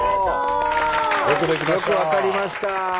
よく分かりました。